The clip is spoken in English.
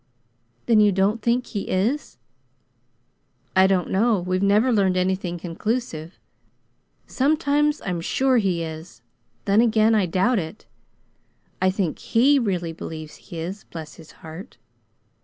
"Then you don't think he is?" "I don't know. We've never learned anything conclusive. Sometimes I'm sure he is. Then again I doubt it. I think HE really believes he is bless his heart!